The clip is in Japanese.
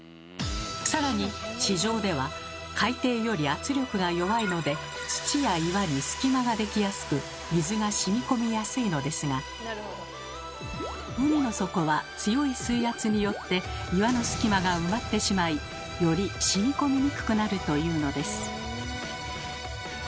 更に地上では海底より圧力が弱いので土や岩に隙間が出来やすく水がしみこみやすいのですが海の底は強い水圧によって岩の隙間が埋まってしまいよりしみこみにくくなるというのです。